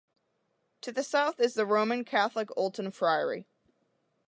To the south is the Roman Catholic Olton Friary.